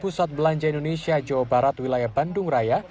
pusat belanja indonesia jawa barat wilayah bandung raya